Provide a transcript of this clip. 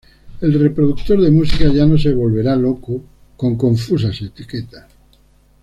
El reproductor de música ya no se volverá loco con confusas etiquetas.